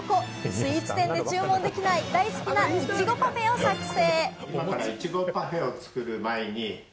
スイーツ店で注文できない、大好きないちごパフェを作成！